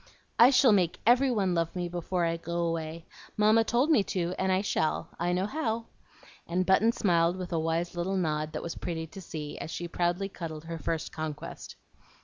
"I shall make EVERY one love me before I go away. Mamma told me to, and I shall. I know how;" and Button smiled with a wise little nod that was pretty to see, as she proudly cuddled her first conquest.